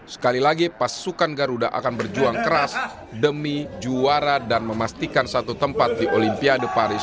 sekali lagi pasukan garuda akan berjuang keras demi juara dan memastikan satu tempat di olympia de paris dua ribu dua puluh empat